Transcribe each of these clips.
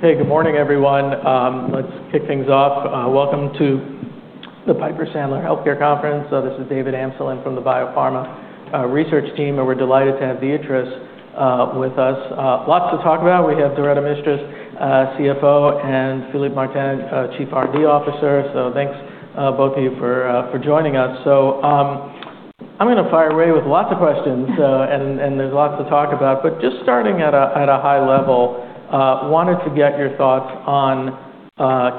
Okay, good morning, everyone. Let's kick things off. Welcome to the Piper Sandler Healthcare Conference. This is David Amsellem from the Biopharma Research Team, and we're delighted to have Viatris with us. Lots to talk about. We have Doretta Mistras, CFO, and Philippe Martin, Chief R&D Officer. Thanks, both of you, for joining us. I'm going to fire away with lots of questions, and there's lots to talk about. Just starting at a high level, I wanted to get your thoughts on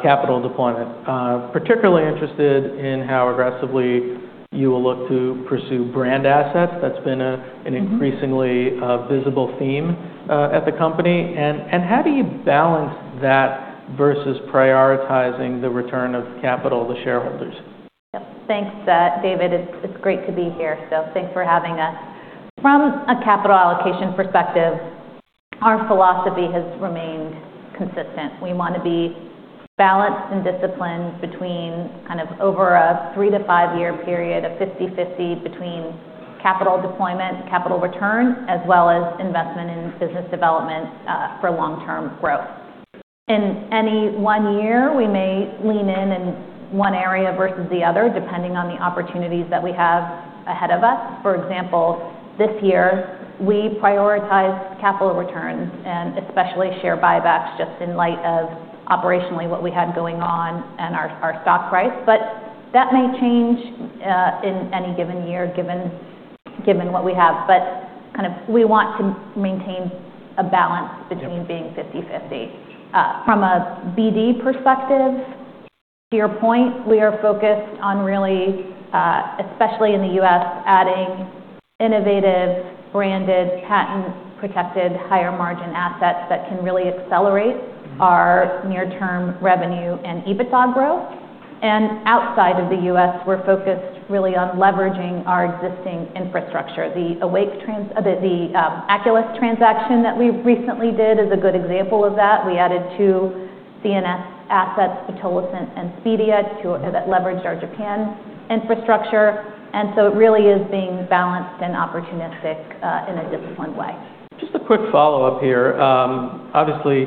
capital deployment. I'm particularly interested in how aggressively you will look to pursue brand assets. That's been an increasingly visible theme at the company. How do you balance that versus prioritizing the return of capital to shareholders? Thanks, David. It's great to be here. Thanks for having us. From a capital allocation perspective, our philosophy has remained consistent. We want to be balanced and disciplined between kind of over a three to five-year period of 50/50 between capital deployment and capital return, as well as investment in business development for long-term growth. In any one year, we may lean in in one area versus the other, depending on the opportunities that we have ahead of us. For example, this year, we prioritized capital returns and especially share buybacks just in light of operationally what we had going on and our stock price. That may change in any given year, given what we have. We want to maintain a balance between being 50/50. From a BD perspective, to your point, we are focused on really, especially in the U.S., adding innovative, branded, patent-protected, higher-margin assets that can really accelerate our near-term revenue and EBITDA growth. Outside of the US, we're focused really on leveraging our existing infrastructure. The Aculys Pharma transaction that we recently did is a good example of that. We added two CNS assets, pitolisant and Spydia, that leveraged our Japan infrastructure. It really is being balanced and opportunistic in a disciplined way. Just a quick follow-up here. Obviously,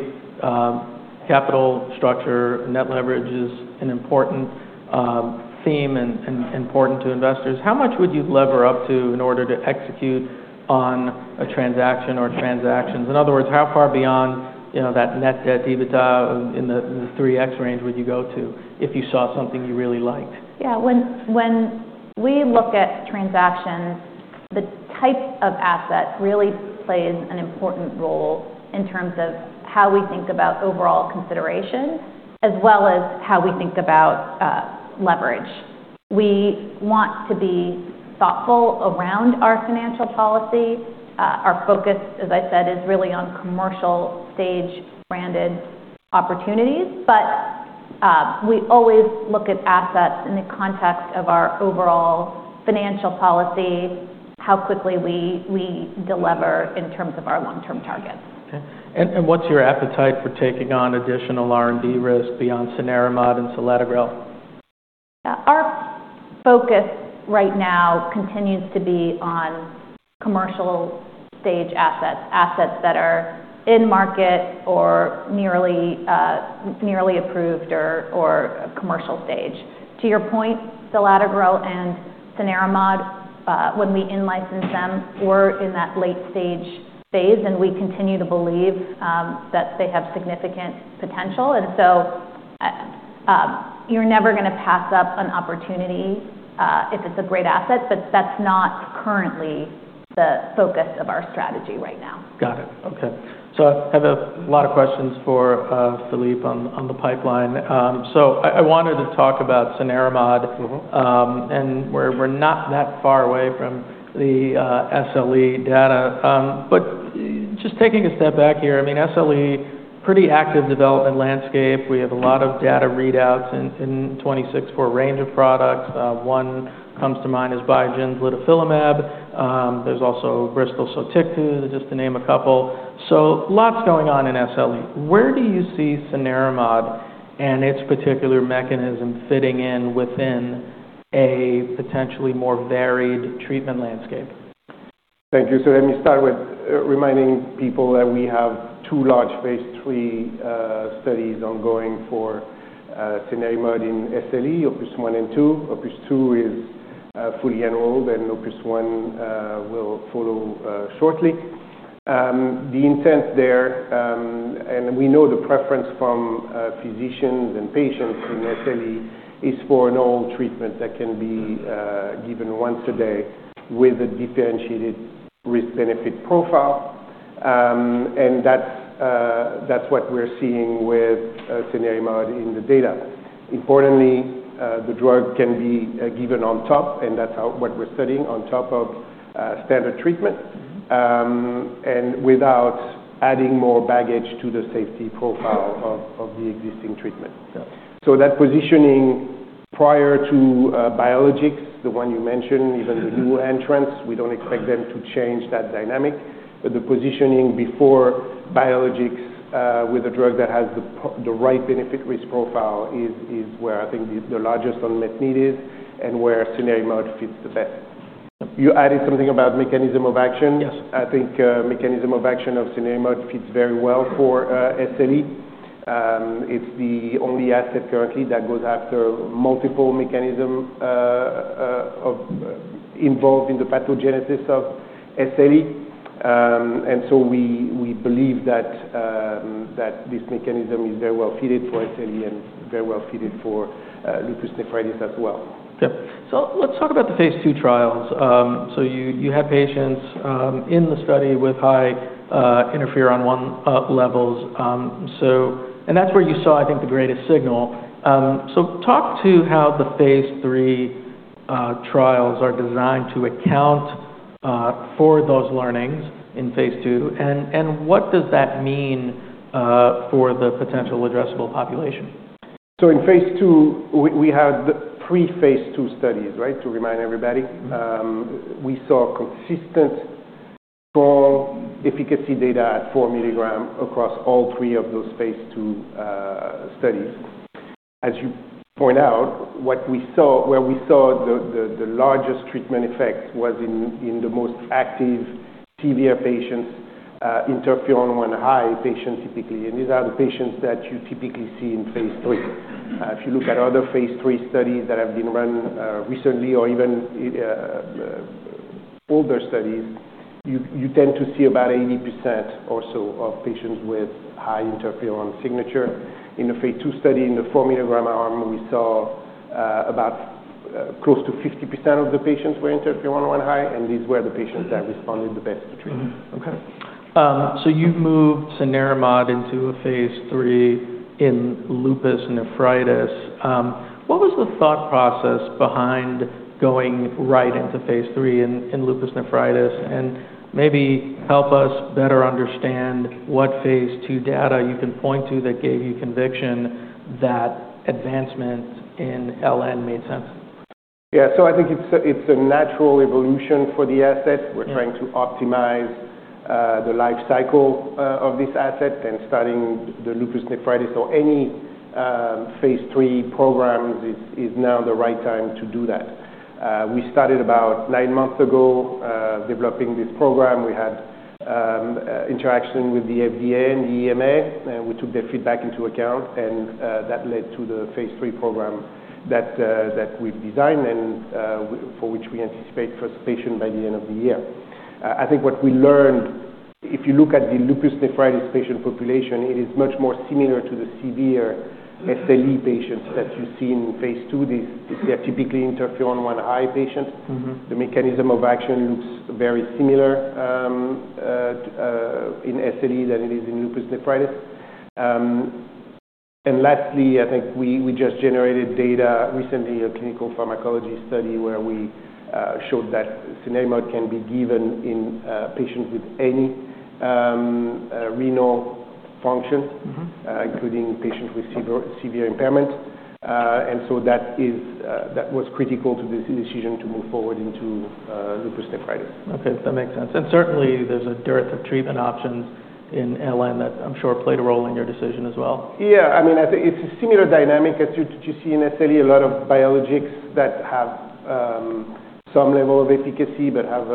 capital structure, net leverage is an important theme and important to investors. How much would you lever up to in order to execute on a transaction or transactions? In other words, how far beyond that net debt EBITDA in the 3x range would you go to if you saw something you really liked? Yeah, when we look at transactions, the type of asset really plays an important role in terms of how we think about overall consideration, as well as how we think about leverage. We want to be thoughtful around our financial policy. Our focus, as I said, is really on commercial-stage branded opportunities. We always look at assets in the context of our overall financial policy, how quickly we deliver in terms of our long-term targets. What is your appetite for taking on additional R&D risk beyond cenerimod and selatogrel? Our focus right now continues to be on commercial-stage assets, assets that are in market or nearly approved or commercial stage. To your point, selatogrel and cenerimod, when we in-license them, we're in that late-stage phase, and we continue to believe that they have significant potential. You're never going to pass up an opportunity if it's a great asset, but that's not currently the focus of our strategy right now. Got it. Okay. I have a lot of questions for Philippe on the pipeline. I wanted to talk about cenerimod, and we're not that far away from the SLE data. Just taking a step back here, I mean, SLE, pretty active development landscape. We have a lot of data readouts in 2026 for a range of products. One comes to mind is Biogen's litifilimab. There's also Bristol's SOTYKTU, just to name a couple. Lots going on in SLE. Where do you see cenerimod and its particular mechanism fitting in within a potentially more varied treatment landscape? Thank you. Let me start with reminding people that we have two large phase III studies ongoing for cenerimod in SLE, OPUS-1 and OPUS-2. OPUS-2 is fully enrolled, and OPUS-1 will follow shortly. The intent there, and we know the preference from physicians and patients in SLE, is for an oral treatment that can be given once a day with a differentiated risk-benefit profile. That is what we are seeing with cenerimod in the data. Importantly, the drug can be given on top, and that is what we are studying, on top of standard treatment, and without adding more baggage to the safety profile of the existing treatment. That positioning prior to biologics, the one you mentioned, even the new entrants, we do not expect them to change that dynamic. The positioning before biologics with a drug that has the right benefit-risk profile is where I think the largest unmet need is and where cenerimod fits the best. You added something about mechanism of action. I think mechanism of action of cenerimod fits very well for SLE. It's the only asset currently that goes after multiple mechanisms involved in the pathogenesis of SLE. We believe that this mechanism is very well fitted for SLE and very well fitted for lupus nephritis as well. Yeah. Let's talk about the phase II trials. You had patients in the study with high interferon I levels. That's where you saw, I think, the greatest signal. Talk to how the phase III trials are designed to account for those learnings in phase II, and what does that mean for the potential addressable population? In phase II, we had three phase II studies, right, to remind everybody. We saw consistent small efficacy data at 4 mg across all three of those phase II studies. As you point out, where we saw the largest treatment effect was in the most active TVR patients, interferon I high patients typically. These are the patients that you typically see in phase III. If you look at other phase III studies that have been run recently or even older studies, you tend to see about 80% or so of patients with high interferon signature. In the phase II study in the 4 mg arm, we saw about close to 50% of the patients were interferon I high, and these were the patients that responded the best to treatment. Okay. You moved cenerimod into a phase III in lupus nephritis. What was the thought process behind going right into phase III in lupus nephritis? Maybe help us better understand what phase II data you can point to that gave you conviction that advancement in LN made sense. Yeah. I think it's a natural evolution for the asset. We're trying to optimize the life cycle of this asset and studying the lupus nephritis or any phase III programs. It is now the right time to do that. We started about nine months ago developing this program. We had interaction with the FDA and the EMA, and we took their feedback into account. That led to the phase III program that we've designed and for which we anticipate first patient by the end of the year. I think what we learned, if you look at the lupus nephritis patient population, it is much more similar to the severe SLE patients that you see in phase II. They're typically interferon I high patients. The mechanism of action looks very similar in SLE than it is in lupus nephritis. Lastly, I think we just generated data recently, a clinical pharmacology study where we showed that cenerimod can be given in patients with any renal function, including patients with severe impairment. That was critical to the decision to move forward into lupus nephritis. Okay. That makes sense. Certainly, there's a dearth of treatment options in LN that I'm sure played a role in your decision as well. Yeah. I mean, I think it's a similar dynamic as you see in SLE. A lot of biologics that have some level of efficacy but have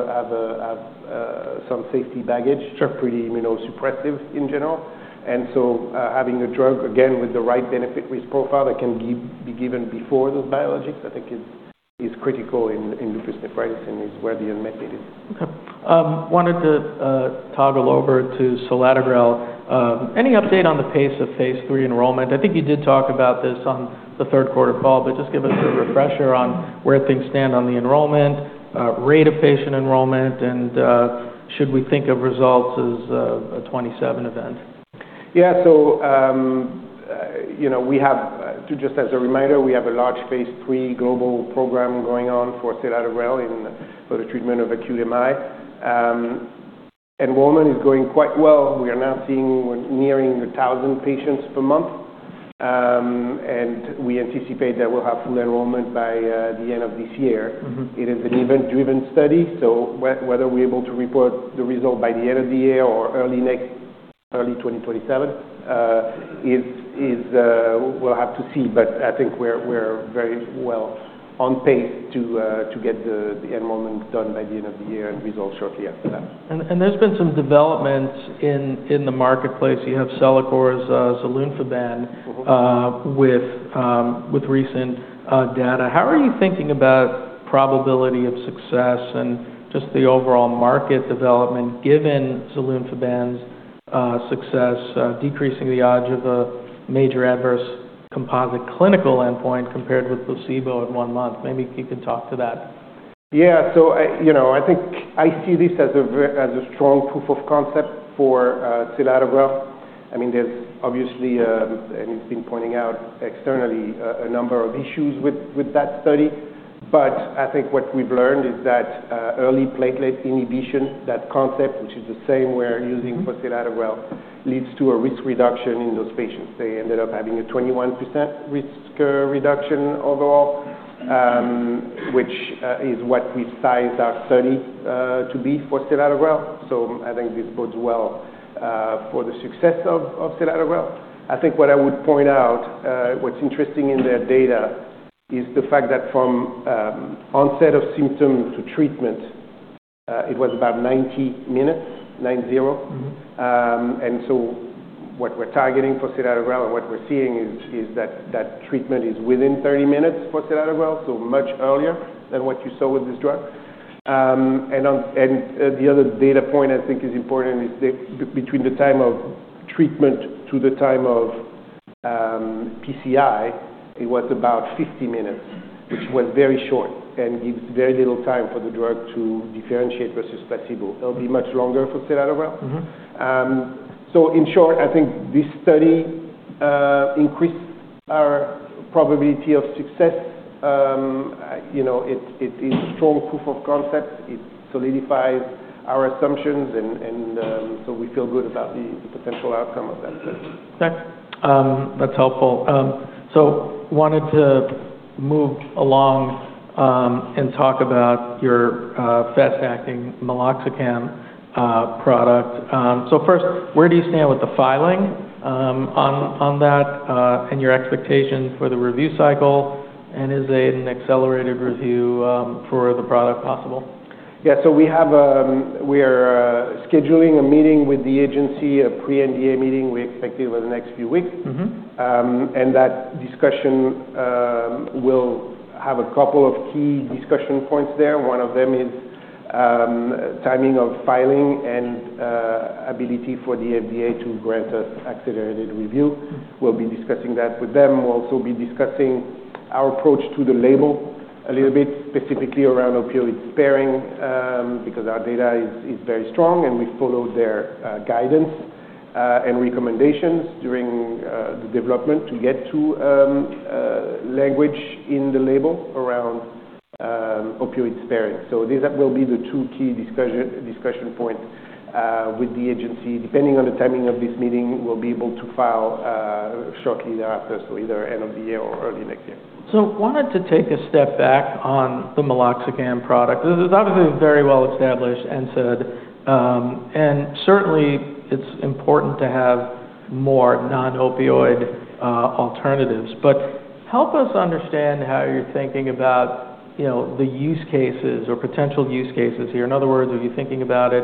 some safety baggage, are pretty immunosuppressive in general. I think having a drug, again, with the right benefit-risk profile that can be given before those biologics is critical in lupus nephritis and is where the unmet need is. Okay. Wanted to toggle over to selatogrel. Any update on the pace of phase III enrollment? I think you did talk about this on the third quarter call, but just give us a refresher on where things stand on the enrollment, rate of patient enrollment, and should we think of results as a 2027 event? Yeah. So just as a reminder, we have a large phase III global program going on for selatogrel for the treatment of Acute MI. Enrollment is going quite well. We are now seeing we're nearing 1,000 patients per month. We anticipate that we'll have full enrollment by the end of this year. It is an event-driven study. Whether we're able to report the result by the end of the year or early 2027, we'll have to see. I think we're very well on pace to get the enrollment done by the end of the year and results shortly after that. There has been some development in the marketplace. You have CeleCor's zalunfiban with recent data. How are you thinking about probability of success and just the overall market development given zalunfiban's success, decreasing the odds of a major adverse composite clinical endpoint compared with placebo in one month? Maybe you can talk to that. Yeah. I think I see this as a strong proof of concept for selatogrel. I mean, there's obviously, and as has been pointed out externally, a number of issues with that study. I think what we've learned is that early platelet inhibition, that concept, which is the same we're using for selatogrel, leads to a risk reduction in those patients. They ended up having a 21% risk reduction overall, which is what we sized our study to be for selatogrel. I think this bodes well for the success of selatogrel. I think what I would point out, what's interesting in their data is the fact that from onset of symptoms to treatment, it was about 90 minutes, nine-zero. What we're targeting for selatogrel and what we're seeing is that treatment is within 30 minutes for selatogrel, so much earlier than what you saw with this drug. The other data point I think is important is between the time of treatment to the time of PCI, it was about 50 minutes, which was very short and gives very little time for the drug to differentiate versus placebo. It will be much longer for selatogrel. In short, I think this study increased our probability of success. It is a strong proof of concept. It solidifies our assumptions. We feel good about the potential outcome of that study. Okay. That's helpful. I wanted to move along and talk about your fast-acting meloxicam product. First, where do you stand with the filing on that and your expectation for the review cycle? Is an accelerated review for the product possible? Yeah. We are scheduling a meeting with the agency, a pre-NDA meeting. We expect it over the next few weeks. That discussion will have a couple of key discussion points there. One of them is timing of filing and ability for the FDA to grant us accelerated review. We'll be discussing that with them. We'll also be discussing our approach to the label a little bit, specifically around opioid sparing because our data is very strong, and we follow their guidance and recommendations during the development to get to language in the label around opioid sparing. These will be the two key discussion points with the agency. Depending on the timing of this meeting, we'll be able to file shortly thereafter, so either end of the year or early next year. I wanted to take a step back on the meloxicam product. This is obviously a very well established NSAID. And certainly, it's important to have more non-opioid alternatives. Help us understand how you're thinking about the use cases or potential use cases here. In other words, are you thinking about it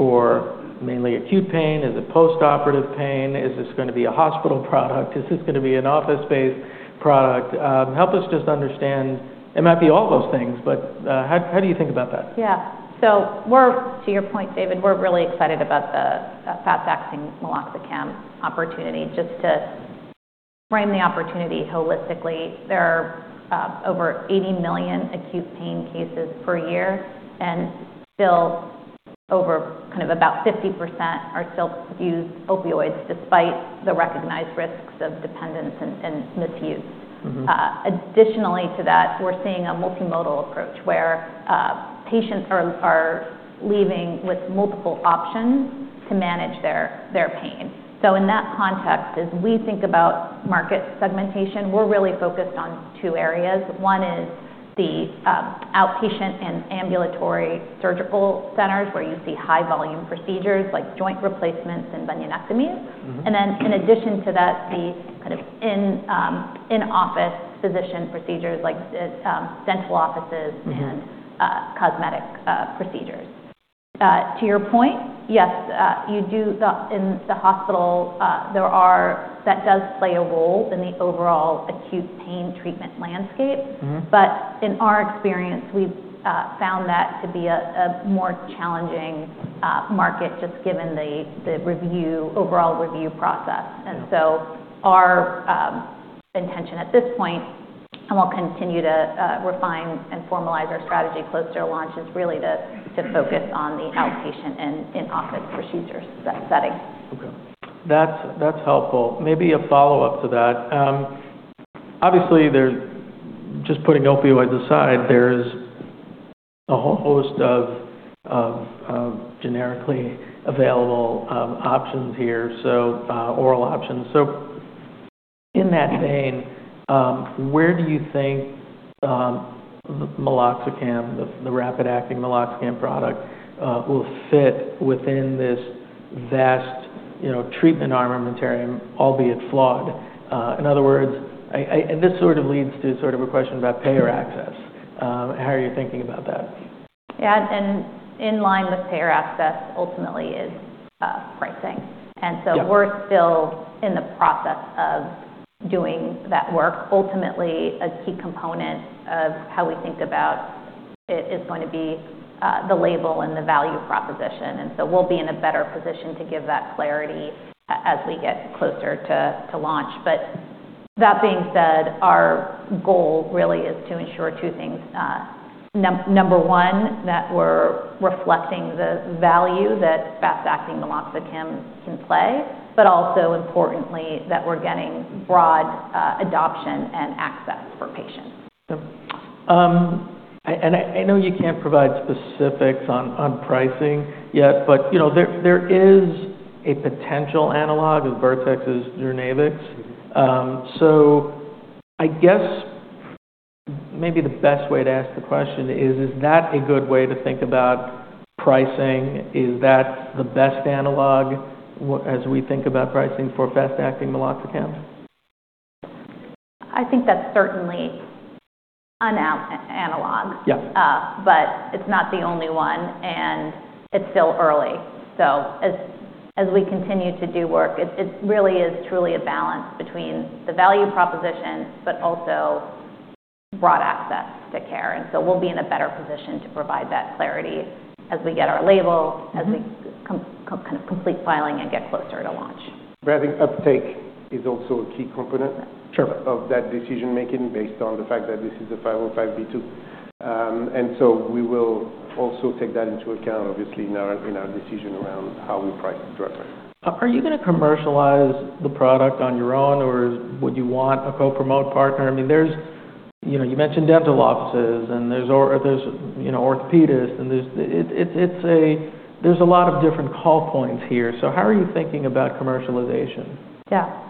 for mainly acute pain? Is it post-operative pain? Is this going to be a hospital product? Is this going to be an office-based product? Help us just understand. It might be all those things, but how do you think about that? Yeah. To your point, David, we're really excited about the fast-acting meloxicam opportunity. Just to frame the opportunity holistically, there are over 80 million acute pain cases per year, and still over kind of about 50% are still used opioids despite the recognized risks of dependence and misuse. Additionally to that, we're seeing a multimodal approach where patients are leaving with multiple options to manage their pain. In that context, as we think about market segmentation, we're really focused on two areas. One is the outpatient and ambulatory surgical centers where you see high-volume procedures like joint replacements and bunionectomies. In addition to that, the kind of in-office physician procedures like dental offices and cosmetic procedures. To your point, yes, in the hospital, that does play a role in the overall acute pain treatment landscape. In our experience, we've found that to be a more challenging market just given the overall review process. Our intention at this point, and we'll continue to refine and formalize our strategy close to launch, is really to focus on the outpatient and in-office procedure setting. Okay. That's helpful. Maybe a follow-up to that. Obviously, just putting opioids aside, there's a whole host of generically available options here, oral options. In that vein, where do you think the meloxicam, the fast-acting meloxicam product, will fit within this vast treatment armamentarium, albeit flawed? In other words, and this sort of leads to sort of a question about payer access. How are you thinking about that? Yeah. In line with payer access, ultimately, is pricing. We're still in the process of doing that work. Ultimately, a key component of how we think about it is going to be the label and the value proposition. We'll be in a better position to give that clarity as we get closer to launch. That being said, our goal really is to ensure two things. Number one, that we're reflecting the value that fast-acting meloxicam can play, but also, importantly, that we're getting broad adoption and access for patients. I know you can't provide specifics on pricing yet, but there is a potential analog of Vertex's suzetrigine. I guess maybe the best way to ask the question is, is that a good way to think about pricing? Is that the best analog as we think about pricing for fast-acting meloxicam? I think that's certainly an analog, but it's not the only one, and it's still early. As we continue to do work, it really is truly a balance between the value proposition, but also broad access to care. We'll be in a better position to provide that clarity as we get our label, as we kind of complete filing and get closer to launch. I think uptake is also a key component of that decision-making based on the fact that this is a 505(b)(2). We will also take that into account, obviously, in our decision around how we price the drug. Are you going to commercialize the product on your own, or would you want a co-promote partner? I mean, you mentioned dental offices, and there's orthopedists, and there's a lot of different call points here. How are you thinking about commercialization? Yeah.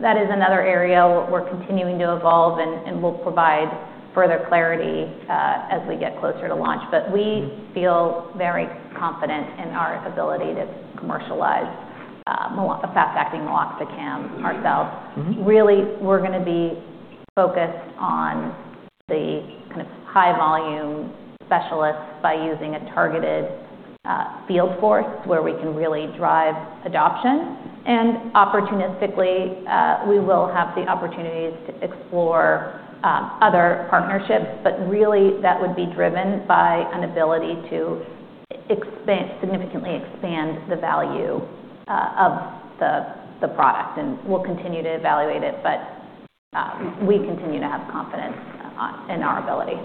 That is another area we're continuing to evolve, and we'll provide further clarity as we get closer to launch. We feel very confident in our ability to commercialize a fast-acting meloxicam ourselves. Really, we're going to be focused on the kind of high-volume specialists by using a targeted field force where we can really drive adoption. Opportunistically, we will have the opportunities to explore other partnerships. That would be driven by an ability to significantly expand the value of the product. We'll continue to evaluate it, but we continue to have confidence in our ability.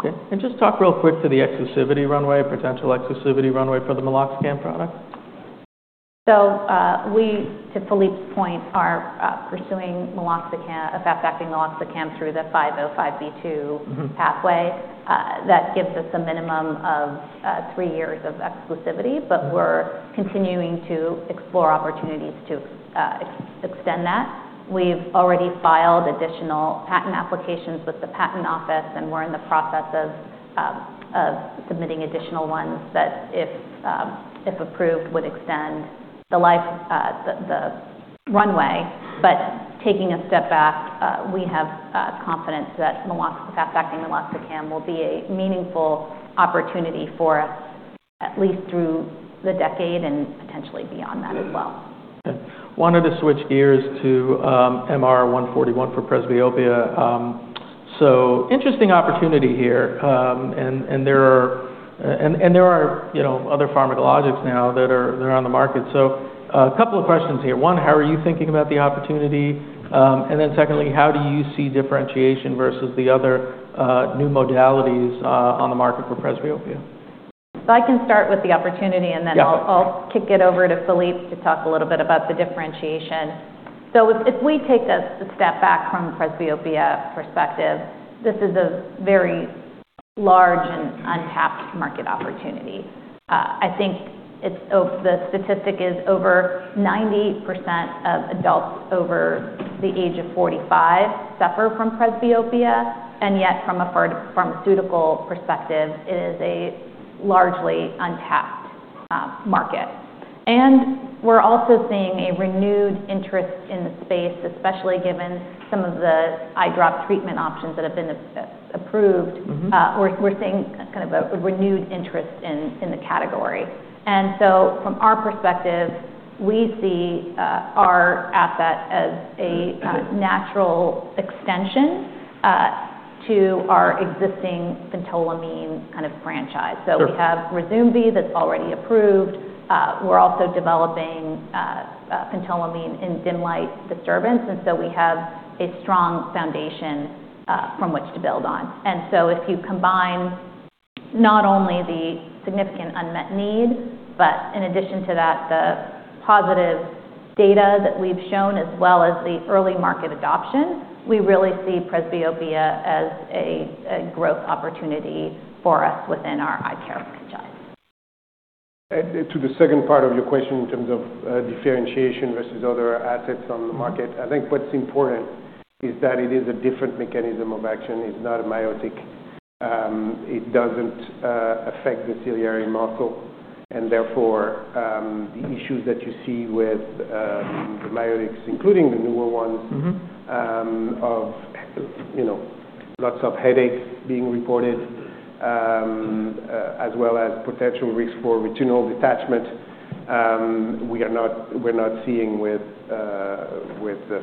Okay. Just talk real quick to the exclusivity runway, potential exclusivity runway for the meloxicam product. To Philippe's point, we are pursuing a fast-acting meloxicam through the 505(b)(2) pathway. That gives us a minimum of three years of exclusivity, but we're continuing to explore opportunities to extend that. We've already filed additional patent applications with the patent office, and we're in the process of submitting additional ones that, if approved, would extend the runway. Taking a step back, we have confidence that fast-acting meloxicam will be a meaningful opportunity for us, at least through the decade and potentially beyond that as well. Okay. Wanted to switch gears to MR-141 for presbyopia. Interesting opportunity here. There are other pharmacologics now that are on the market. A couple of questions here. One, how are you thinking about the opportunity? Secondly, how do you see differentiation versus the other new modalities on the market for presbyopia? I can start with the opportunity, and then I'll kick it over to Philippe to talk a little bit about the differentiation. If we take a step back from the presbyopia perspective, this is a very large and untapped market opportunity. I think the statistic is over 90% of adults over the age of 45 suffer from presbyopia. Yet, from a pharmaceutical perspective, it is a largely untapped market. We're also seeing a renewed interest in the space, especially given some of the eye drop treatment options that have been approved. We're seeing kind of a renewed interest in the category. From our perspective, we see our asset as a natural extension to our existing phentolamine kind of franchise. We have Ryzumvi that's already approved. We're also developing phentolamine in dim light disturbance. We have a strong foundation from which to build on. If you combine not only the significant unmet need, but in addition to that, the positive data that we've shown, as well as the early market adoption, we really see presbyopia as a growth opportunity for us within our eye care franchise. To the second part of your question in terms of differentiation versus other assets on the market, I think what's important is that it is a different mechanism of action. It's not a miotic. It doesn't affect the ciliary muscle. Therefore, the issues that you see with the miotics, including the newer ones, of lots of headaches being reported, as well as potential risk for retinal detachment, we're not seeing with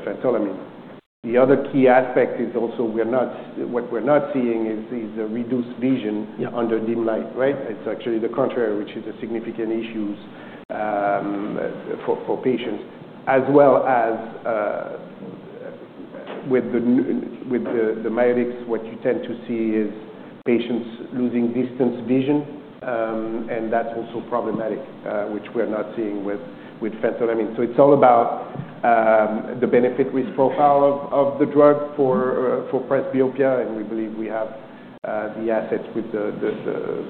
phentolamine. The other key aspect is also what we're not seeing is reduced vision under dim light, right? It's actually the contrary, which is a significant issue for patients. As well as with the miotics, what you tend to see is patients losing distance vision, and that's also problematic, which we're not seeing with phentolamine. It is all about the benefit-risk profile of the drug for presbyopia. We believe we have the assets with the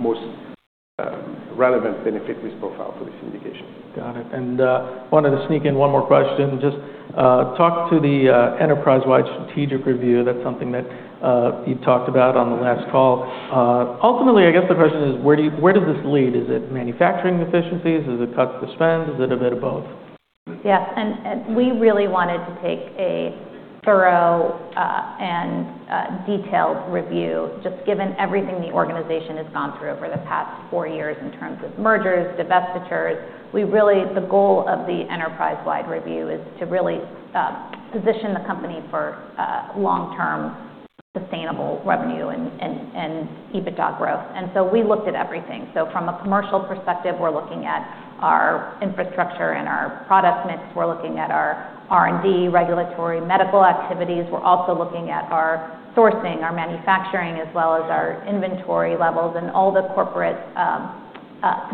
most relevant benefit-risk profile for this indication. Got it. I wanted to sneak in one more question. Just talk to the enterprise-wide strategic review. That is something that you talked about on the last call. Ultimately, I guess the question is, where does this lead? Is it manufacturing efficiencies? Is it cuts to spend? Is it a bit of both? Yeah. We really wanted to take a thorough and detailed review. Just given everything the organization has gone through over the past four years in terms of mergers, divestitures, the goal of the enterprise-wide review is to really position the company for long-term sustainable revenue and EBITDA growth. We looked at everything. From a commercial perspective, we're looking at our infrastructure and our product mix. We're looking at our R&D, regulatory, medical activities. We're also looking at our sourcing, our manufacturing, as well as our inventory levels and all the corporate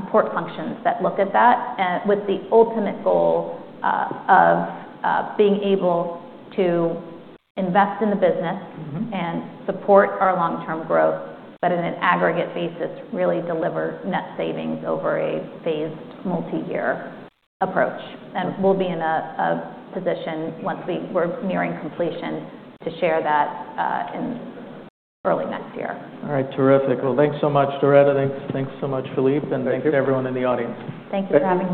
support functions that look at that, with the ultimate goal of being able to invest in the business and support our long-term growth, but in an aggregate basis, really deliver net savings over a phased multi-year approach. We'll be in a position, once we're nearing completion, to share that in early next year. All right. Terrific. Thanks so much, Doretta. Thanks so much, Philippe. And thanks to everyone in the audience. Thank you. Thank you for having me.